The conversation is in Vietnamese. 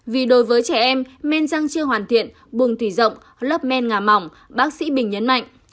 vì đối với trẻ em men răng chưa hoàn thiện buồng thủy rộng lớp men ngà mỏng bác sĩ bình nhấn mạnh